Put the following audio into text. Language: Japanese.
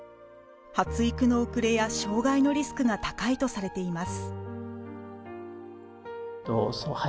発育の遅れや障がいのリスクが高いとされています。